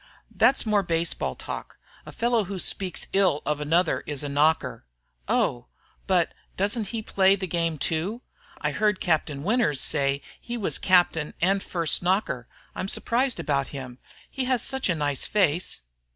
"That's more baseball talk. A fellow who speaks ill of another is a knocker." "Oh, but doesn't he play the game too? I heard Mr. Winters say he was captain and first knocker. I'm surprised about him. He has such a nice face."